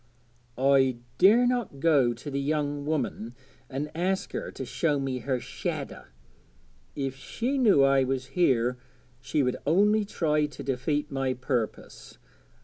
'I dare not go to the young woman and ask her to show me her "shadder." If she knew I was here she would only try to defeat my purpose.